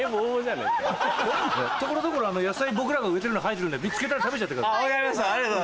所々野菜僕らが植えてるの生えてるんで見つけたら食べちゃってください。